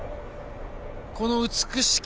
この美しき